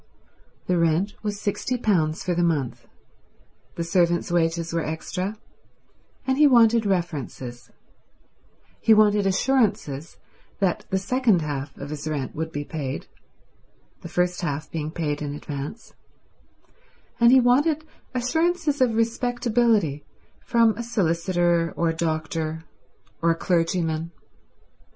The rent was £60 for the month, the servants' wages were extra, and he wanted references—he wanted assurances that the second half of his rent would be paid, the first half being paid in advance, and he wanted assurances of respectability from a solicitor, or a doctor, or a clergyman.